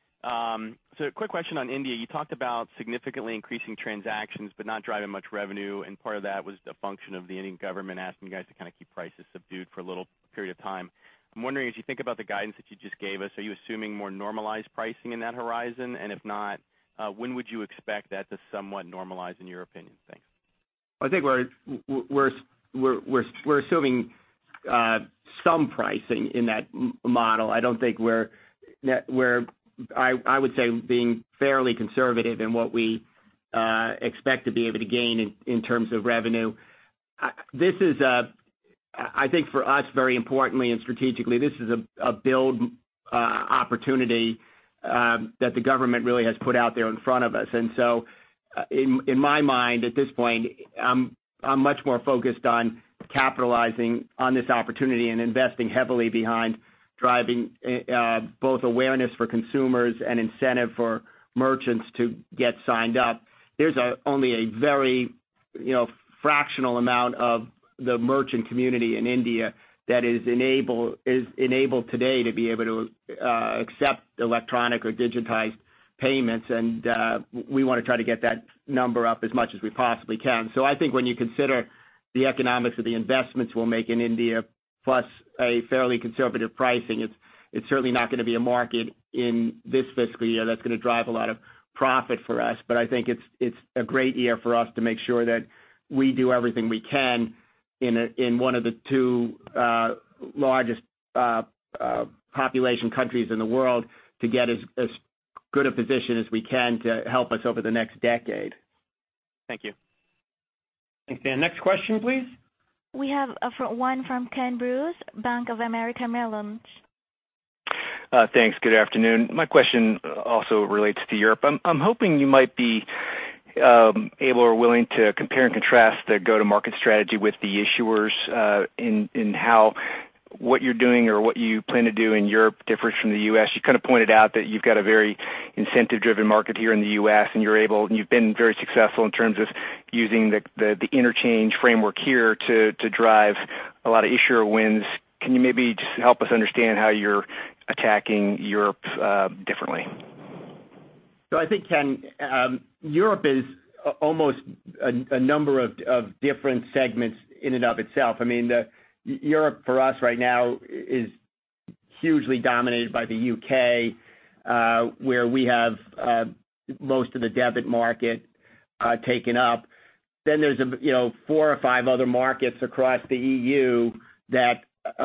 [SPEAKER 12] Quick question on India. You talked about significantly increasing transactions but not driving much revenue. Part of that was a function of the Indian government asking you guys to kind of keep prices subdued for a little period of time. I'm wondering, as you think about the guidance that you just gave us, are you assuming more normalized pricing in that horizon? If not, when would you expect that to somewhat normalize in your opinion? Thanks.
[SPEAKER 3] I think we're assuming some pricing in that model. I would say we're being fairly conservative in what we expect to be able to gain in terms of revenue. I think for us, very importantly and strategically, this is a build opportunity that the government really has put out there in front of us. In my mind, at this point, I'm much more focused on capitalizing on this opportunity and investing heavily behind driving both awareness for consumers and incentive for merchants to get signed up. There's only a very fractional amount of the merchant community in India that is enabled today to be able to accept electronic or digitized payments. We want to try to get that number up as much as we possibly can. I think when you consider the economics of the investments we'll make in India, plus a fairly conservative pricing, it's certainly not going to be a market in this fiscal year that's going to drive a lot of profit for us. I think it's a great year for us to make sure that we do everything we can in one of the two largest population countries in the world to get as good a position as we can to help us over the next decade.
[SPEAKER 12] Thank you.
[SPEAKER 3] Thanks, Dan. Next question, please.
[SPEAKER 1] We have one from Ken Bruce, Bank of America Merrill Lynch.
[SPEAKER 13] Thanks. Good afternoon. My question also relates to Europe. I'm hoping you might be able or willing to compare and contrast the go-to-market strategy with the issuers in how what you're doing or what you plan to do in Europe differs from the U.S. You kind of pointed out that you've got a very incentive-driven market here in the U.S., and you've been very successful in terms of using the interchange framework here to drive a lot of issuer wins. Can you maybe just help us understand how you're attacking Europe differently?
[SPEAKER 3] I think, Ken, Europe is almost a number of different segments in and of itself. Europe for us right now is hugely dominated by the U.K. where we have most of the debit market taken up. Then there's four or five other markets across the EU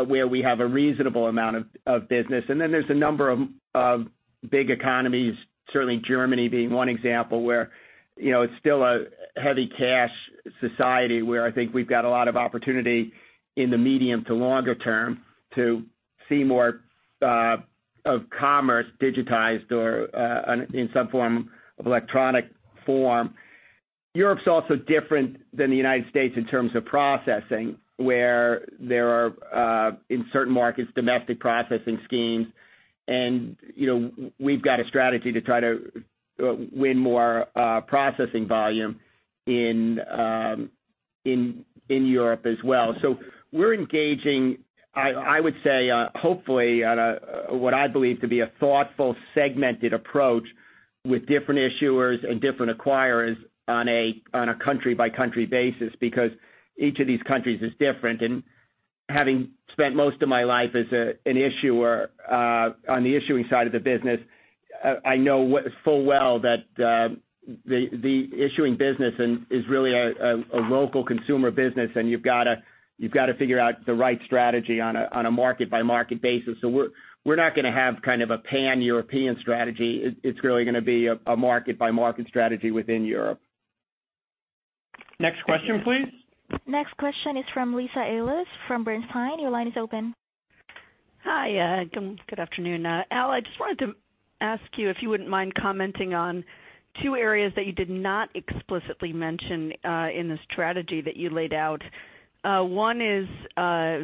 [SPEAKER 3] where we have a reasonable amount of business. There's a number of big economies, certainly Germany being one example, where it's still a heavy cash society where I think we've got a lot of opportunity in the medium to longer term to see more of commerce digitized or in some form of electronic form. Europe's also different than the United States in terms of processing, where there are, in certain markets, domestic processing schemes. We've got a strategy to try to win more processing volume in Europe as well. We're engaging, I would say, hopefully, on what I believe to be a thoughtful, segmented approach with different issuers and different acquirers on a country-by-country basis because each of these countries is different. Having spent most of my life as an issuer on the issuing side of the business, I know full well that the issuing business is really a local consumer business, and you've got to figure out the right strategy on a market-by-market basis. We're not going to have kind of a pan-European strategy. It's really going to be a market-by-market strategy within Europe. Next question, please.
[SPEAKER 1] Next question is from Lisa Ellis from Bernstein. Your line is open.
[SPEAKER 14] Hi, good afternoon. Al, I just wanted to ask you if you wouldn't mind commenting on two areas that you did not explicitly mention in the strategy that you laid out. One is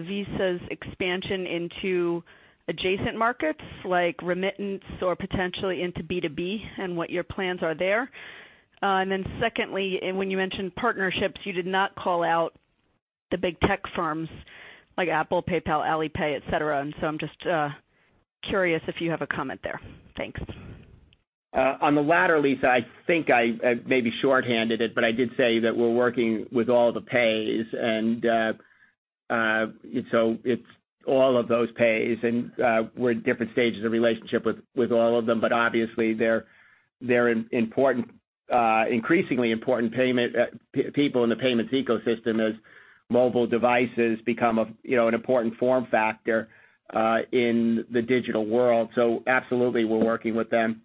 [SPEAKER 14] Visa's expansion into adjacent markets like remittance or potentially into B2B and what your plans are there. Secondly, when you mentioned partnerships, you did not call out the big tech firms like Apple, PayPal, Alipay, et cetera. I'm just curious if you have a comment there. Thanks.
[SPEAKER 3] On the latter, Lisa, I think I maybe shorthanded it, but I did say that we're working with all the pays and so it's all of those pays and we're at different stages of relationship with all of them. Obviously they're an increasingly important people in the payments ecosystem as mobile devices become an important form factor, in the digital world. Absolutely, we're working with them.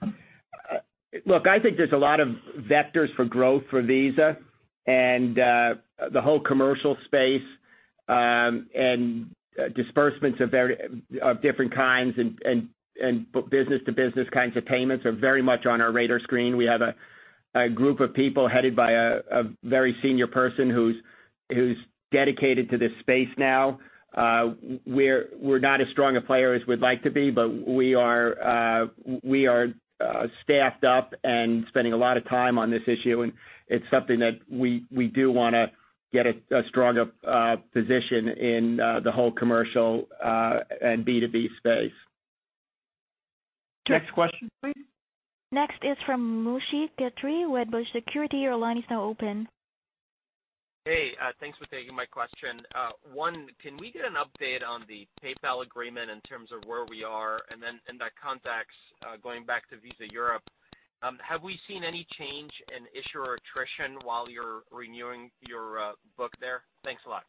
[SPEAKER 3] Look, I think there's a lot of vectors for growth for Visa and the whole commercial space, and disbursements of different kinds and business to business kinds of payments are very much on our radar screen. We have a group of people headed by a very senior person who's dedicated to this space now. We're not as strong a player as we'd like to be, but we are staffed up and spending a lot of time on this issue, and it's something that we do want to get a stronger position in the whole commercial, and B2B space.
[SPEAKER 1] Next is from Moshe Katri, Wedbush Securities. Your line is now open.
[SPEAKER 15] Hey, thanks for taking my question. One, can we get an update on the PayPal agreement in terms of where we are then in that context, going back to Visa Europe, have we seen any change in issuer attrition while you're renewing your book there? Thanks a lot.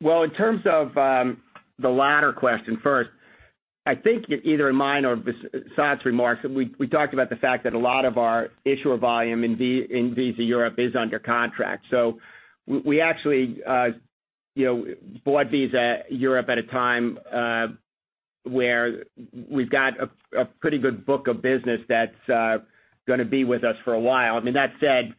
[SPEAKER 3] Well, in terms of the latter question first, I think either in mine or Vasant's remarks, we talked about the fact that a lot of our issuer volume in Visa Europe is under contract. We actually bought Visa Europe at a time where we've got a pretty good book of business that's going to be with us for a while. That said,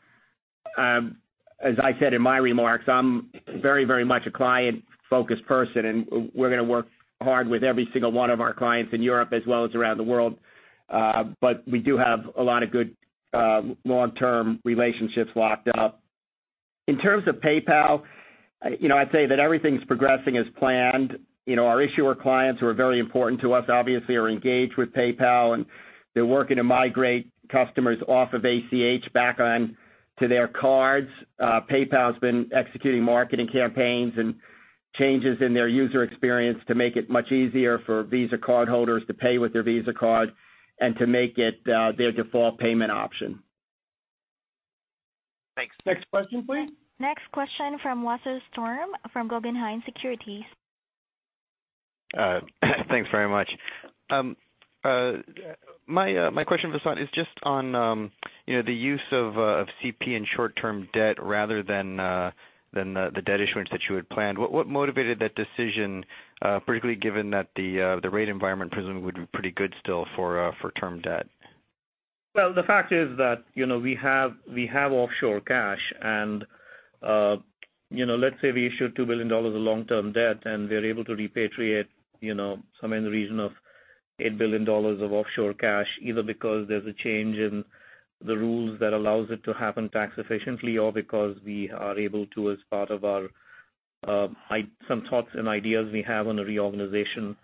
[SPEAKER 3] as I said in my remarks, I'm very much a client-focused person, we're going to work hard with every single one of our clients in Europe as well as around the world. We do have a lot of good long-term relationships locked up. In terms of PayPal, I'd say that everything's progressing as planned. Our issuer clients who are very important to us obviously are engaged with PayPal, they're working to migrate customers off of ACH back on to their cards. PayPal's been executing marketing campaigns changes in their user experience to make it much easier for Visa cardholders to pay with their Visa card to make it their default payment option.
[SPEAKER 15] Thanks.
[SPEAKER 1] Next question, please. Next question from Wasserstrom from Guggenheim Securities.
[SPEAKER 16] Thanks very much. My question, Vasant, is just on the use of CP and short-term debt rather than the debt issuance that you had planned. What motivated that decision, particularly given that the rate environment presumably would be pretty good still for term debt?
[SPEAKER 4] The fact is that we have offshore cash and let's say we issue $2 billion of long-term debt, and we're able to repatriate some in the region of $8 billion of offshore cash, either because there's a change in the rules that allows it to happen tax efficiently, or because we are able to, as part of some thoughts and ideas we have on a reorganization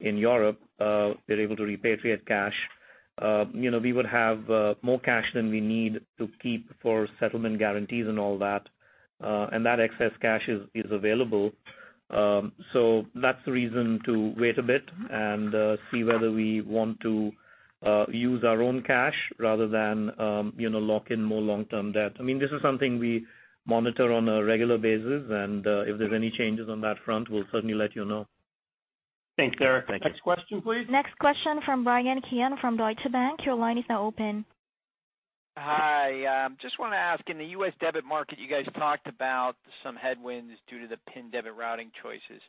[SPEAKER 4] in Europe, we're able to repatriate cash. We would have more cash than we need to keep for settlement guarantees and all that. That excess cash is available. That's the reason to wait a bit and see whether we want to use our own cash rather than lock in more long-term debt. This is something we monitor on a regular basis, and if there's any changes on that front, we'll certainly let you know.
[SPEAKER 16] Thanks, sir.
[SPEAKER 4] Thank you.
[SPEAKER 1] Next question, please. Next question from Bryan Keane from Deutsche Bank. Your line is now open.
[SPEAKER 17] Hi, just want to ask, in the U.S. debit market, you guys talked about some headwinds due to the PIN debit routing choices.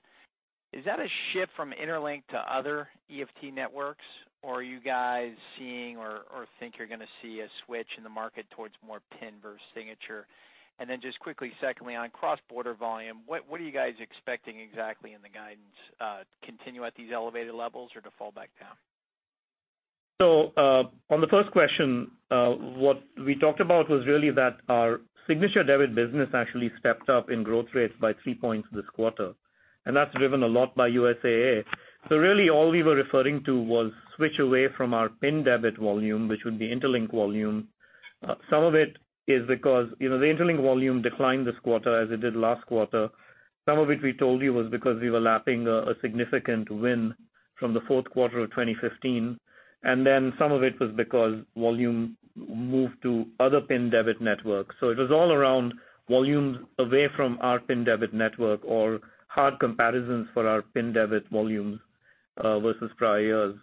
[SPEAKER 17] Is that a shift from Interlink to other EFT networks, or are you guys seeing or think you're going to see a switch in the market towards more PIN versus signature? Then just quickly, secondly, on cross-border volume, what are you guys expecting exactly in the guidance, continue at these elevated levels or to fall back down?
[SPEAKER 4] On the first question, what we talked about was really that our signature debit business actually stepped up in growth rates by three points this quarter, and that's driven a lot by USAA. Really all we were referring to was switch away from our PIN debit volume, which would be Interlink volume. Some of it is because the Interlink volume declined this quarter as it did last quarter. Some of it we told you was because we were lapping a significant win from the fourth quarter of 2015, some of it was because volume moved to other PIN debit networks. It was all around volumes away from our PIN debit network or hard comparisons for our PIN debit volumes, versus prior years.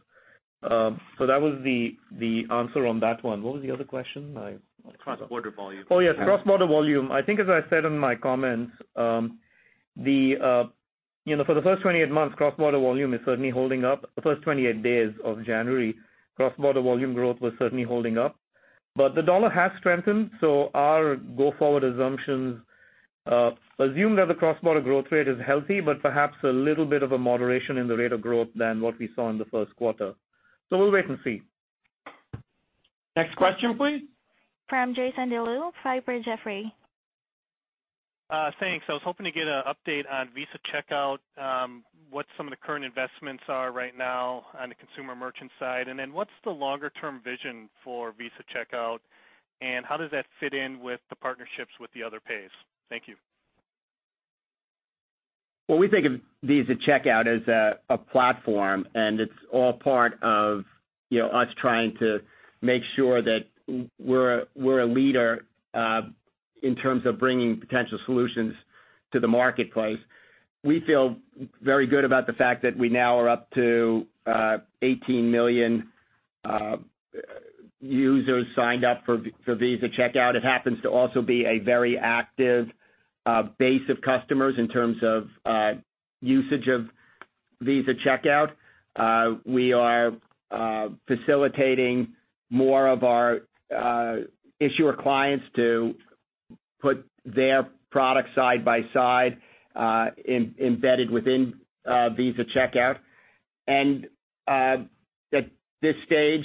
[SPEAKER 4] That was the answer on that one. What was the other question? Cross-border volume. Oh, yes. Cross-border volume. I think as I said in my comments, for the first 28 days, cross-border volume is certainly holding up. The first 28 days of January, cross-border volume growth was certainly holding up. The dollar has strengthened, our go-forward assumptions assume that the cross-border growth rate is healthy, but perhaps a little bit of a moderation in the rate of growth than what we saw in the first quarter. We'll wait and see.
[SPEAKER 2] Next question, please.
[SPEAKER 1] From Jason Deleeuw, Piper Jaffray.
[SPEAKER 18] Thanks. I was hoping to get an update on Visa Checkout, what some of the current investments are right now on the consumer merchant side. What's the longer-term vision for Visa Checkout, and how does that fit in with the partnerships with the other pays? Thank you.
[SPEAKER 4] Well, we think of Visa Checkout as a platform. It's all part of us trying to make sure that we're a leader in terms of bringing potential solutions to the marketplace. We feel very good about the fact that we now are up to 18 million users signed up for Visa Checkout. It happens to also be a very active base of customers in terms of usage of Visa Checkout. We are facilitating more of our issuer clients to put their product side by side, embedded within Visa Checkout. At this stage,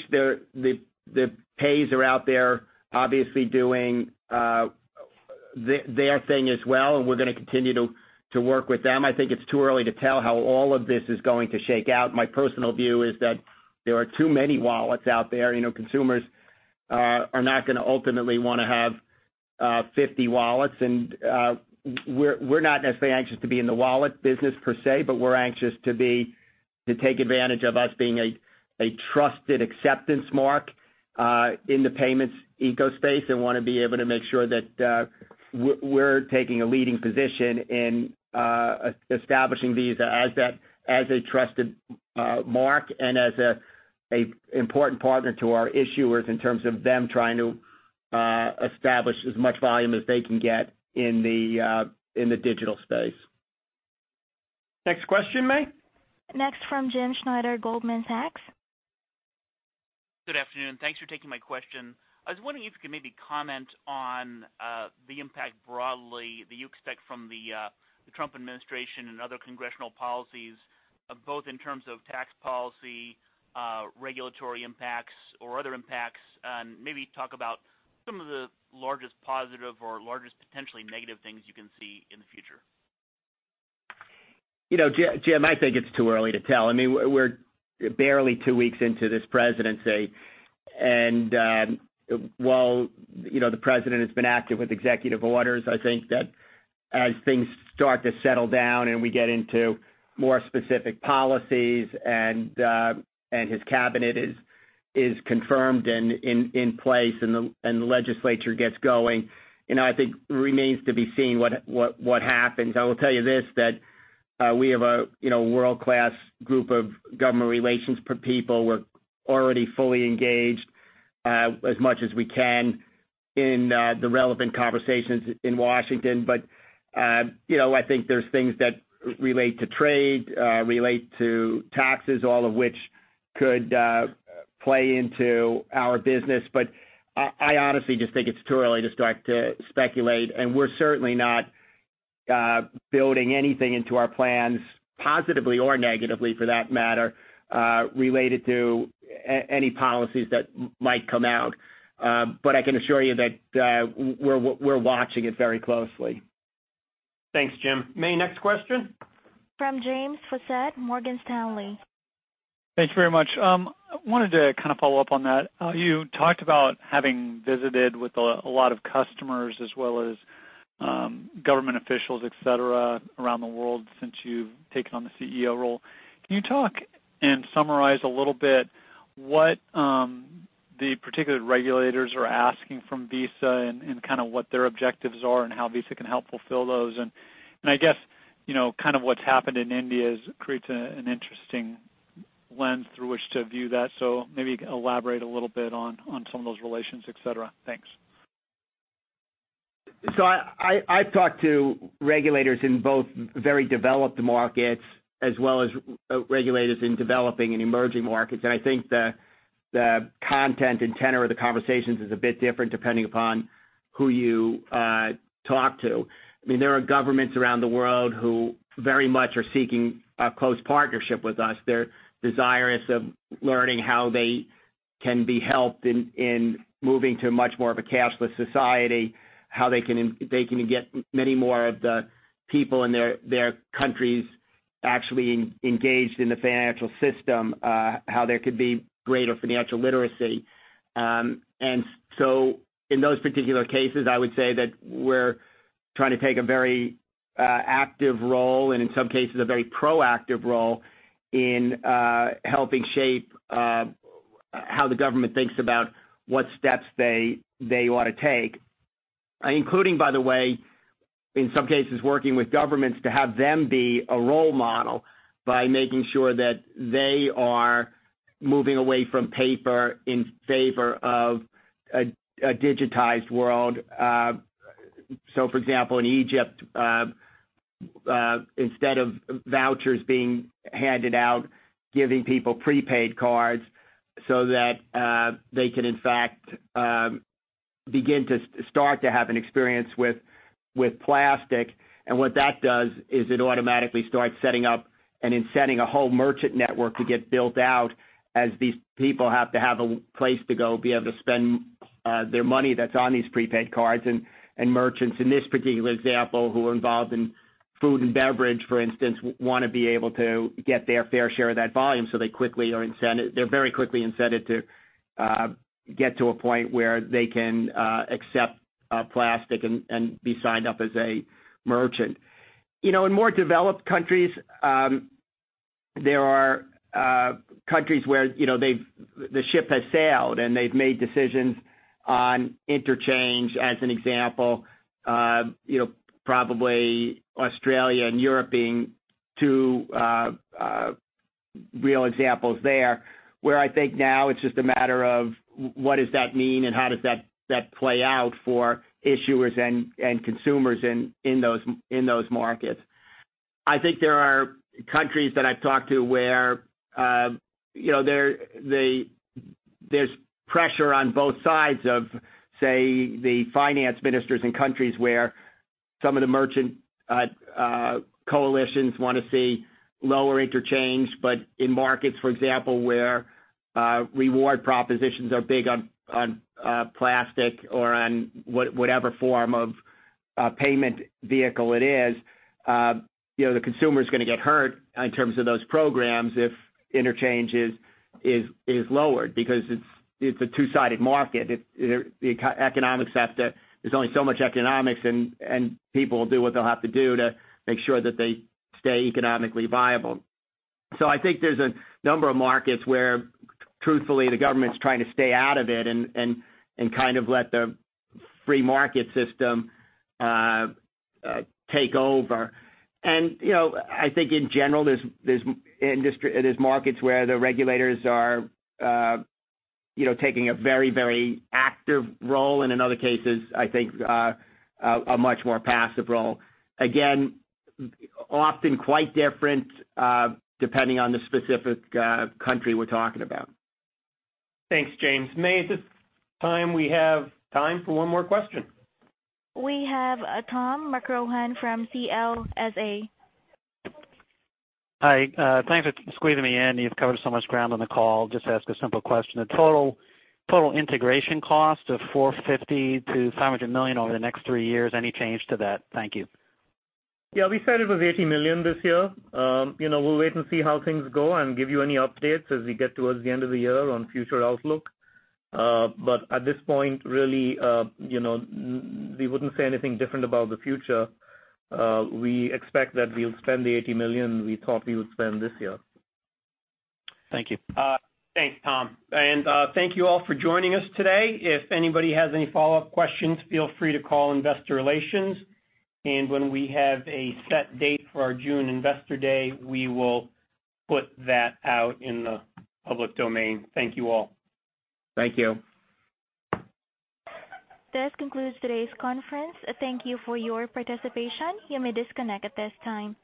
[SPEAKER 4] the pays are out there obviously doing their thing as well. We're going to continue to work with them. I think it's too early to tell how all of this is going to shake out. My personal view is that there are too many wallets out there.
[SPEAKER 3] Consumers are not going to ultimately want to have 50 wallets. We're not necessarily anxious to be in the wallet business per se. We're anxious to take advantage of us being a trusted acceptance mark in the payments eco space and want to be able to make sure that we're taking a leading position in establishing Visa as a trusted mark and as an important partner to our issuers in terms of them trying to establish as much volume as they can get in the digital space.
[SPEAKER 2] Next question, Mae.
[SPEAKER 1] Next from Jim Schneider, Goldman Sachs.
[SPEAKER 19] Good afternoon. Thanks for taking my question. I was wondering if you could maybe comment on the impact broadly that you expect from the Trump administration and other congressional policies, both in terms of tax policy, regulatory impacts, or other impacts. Maybe talk about some of the largest positive or largest potentially negative things you can see in the future.
[SPEAKER 4] Jim, I think it's too early to tell. We're barely two weeks into this presidency. While the President has been active with executive orders, I think that as things start to settle down and we get into more specific policies and his cabinet is confirmed and in place and the legislature gets going, I think remains to be seen what happens. I will tell you this, that we have a world-class group of government relations people. We're already fully engaged as much as we can in the relevant conversations in Washington. I think there's things that relate to trade, relate to taxes, all of which could play into our business. I honestly just think it's too early to start to speculate, and we're certainly not building anything into our plans positively or negatively for that matter related to any policies that might come out.
[SPEAKER 3] I can assure you that we're watching it very closely.
[SPEAKER 2] Thanks, Jim. Mae, next question.
[SPEAKER 1] From James Faucette, Morgan Stanley.
[SPEAKER 20] Thanks very much. Wanted to kind of follow up on that. You talked about having visited with a lot of customers as well as government officials, et cetera, around the world since you've taken on the CEO role. Can you talk and summarize a little bit what the particular regulators are asking from Visa and kind of what their objectives are and how Visa can help fulfill those? I guess, kind of what's happened in India creates an interesting lens through which to view that. Maybe you can elaborate a little bit on some of those relations, et cetera. Thanks.
[SPEAKER 3] I've talked to regulators in both very developed markets as well as regulators in developing and emerging markets, and I think the content and tenor of the conversations is a bit different depending upon who you talk to. There are governments around the world who very much are seeking a close partnership with us. They're desirous of learning how they can be helped in moving to much more of a cashless society, how they can get many more of the people in their countries actually engaged in the financial system, how there could be greater financial literacy. In those particular cases, I would say that we're trying to take a very active role, and in some cases, a very proactive role in helping shape how the government thinks about what steps they ought to take. Including, by the way, in some cases, working with governments to have them be a role model by making sure that they are moving away from paper in favor of a digitized world. For example, in Egypt, instead of vouchers being handed out, giving people prepaid cards so that they can in fact begin to start to have an experience with plastic. What that does is it automatically starts setting up and incenting a whole merchant network to get built out as these people have to have a place to go be able to spend their money that's on these prepaid cards. Merchants in this particular example, who are involved in food and beverage, for instance, want to be able to get their fair share of that volume. They're very quickly incented to get to a point where they can accept plastic and be signed up as a merchant. In more developed countries, there are countries where the ship has sailed, and they've made decisions on interchange as an example, probably Australia and Europe being two real examples there. Where I think now it's just a matter of what does that mean and how does that play out for issuers and consumers in those markets. I think there are countries that I've talked to where there's pressure on both sides of, say, the finance ministers in countries where some of the merchant coalitions want to see lower interchange, in markets, for example, where reward propositions are big on plastic or on whatever form of payment vehicle it is, the consumer's going to get hurt in terms of those programs if interchange is lowered because it's a two-sided market. There's only so much economics, people will do what they'll have to do to make sure that they stay economically viable. I think there's a number of markets where truthfully, the government's trying to stay out of it and kind of let the free market system take over. I think in general, there's markets where the regulators are taking a very active role, in other cases, I think a much more passive role. Again, often quite different depending on the specific country we're talking about.
[SPEAKER 2] Thanks, James. Mae, at this time we have time for one more question.
[SPEAKER 1] We have Tom McCrohan from CLSA.
[SPEAKER 21] Hi, thanks for squeezing me in. You've covered so much ground on the call. Just to ask a simple question. The total integration cost of $450 million-$500 million over the next three years, any change to that? Thank you.
[SPEAKER 4] Yeah, we said it was $80 million this year. We'll wait and see how things go and give you any updates as we get towards the end of the year on future outlook. At this point, really we wouldn't say anything different about the future. We expect that we'll spend the $80 million we thought we would spend this year.
[SPEAKER 21] Thank you.
[SPEAKER 2] Thanks, Tom. Thank you all for joining us today. If anybody has any follow-up questions, feel free to call Investor Relations. When we have a set date for our June Investor Day, we will put that out in the public domain. Thank you all.
[SPEAKER 3] Thank you.
[SPEAKER 1] This concludes today's conference. Thank you for your participation. You may disconnect at this time.